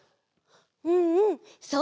うんうんそう！